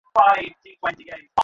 এজন্য আমার এই অবস্থা!